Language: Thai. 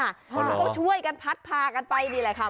คุณรู้หรือต้องช่วยกันพัดพากันไปดีดีแหล่ะค่ะ